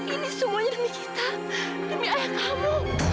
ini semuanya demi kita demi ayah kamu